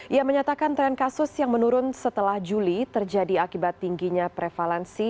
ia menyatakan tren kasus yang menurun setelah juli terjadi akibat tingginya prevalensi